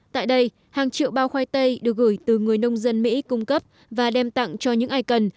tại đây hàng triệu bao khoai tây được gửi từ người nông dân mỹ cung cấp và đem tặng cho những ai cần